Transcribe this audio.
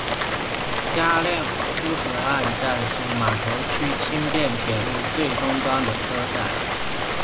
加量斯河岸站是码头区轻便铁路最东端的车站。